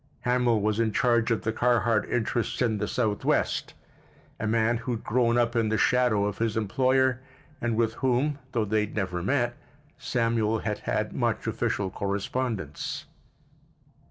Hamil was in charge of the Carhart interests in the Southwest, a man who had grown up in the shadow of his employer, and with whom, though they had never met, Samuel had had much official correspondence.